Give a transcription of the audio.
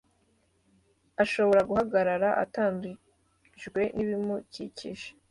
ashobora guhagarara atandujwe n’ibimukikije.